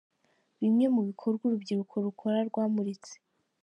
Bimwe mu bikorwa urubyiruko rukora rwamuritse.